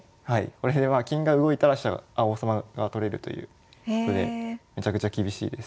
これは金が動いたら王様が取れるということでめちゃくちゃ厳しいです。